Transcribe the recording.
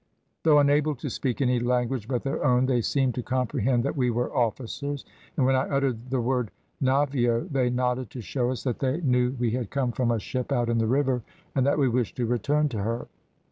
Though unable to speak any language but their own, they seemed to comprehend that we were officers; and when I uttered the word `navio,' they nodded to show us that they knew we had come from a ship out in the river, and that we wished to return to her.